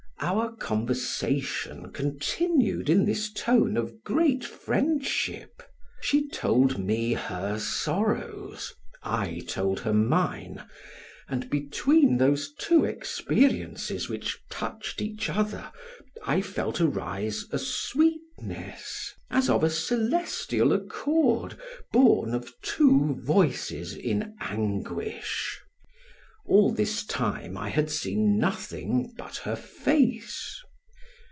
Our conversation continued in this tone of great friendship. She told me her sorrows, I told her mine, and between those two experiences which touched each other, I felt arise a sweetness, as of a celestial accord born of two voices in anguish. All this time I had seen nothing but her face.